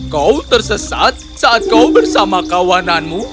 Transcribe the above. kau tersesat saat kau bersama kawananmu